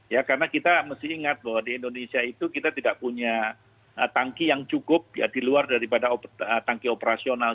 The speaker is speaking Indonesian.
ya karena kita mesti ingat bahwa di indonesia itu kita tidak punya tangki yang cukup ya di luar daripada tangki operasional